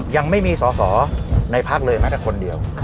ยังไม่มีสอสอในพักเลยแม้แต่คนเดียว